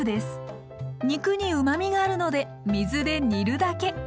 肉にうまみがあるので水で煮るだけ。